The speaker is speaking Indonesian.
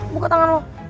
buka tangan lo